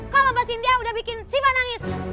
kalau mbak sintia udah bikin siva nangis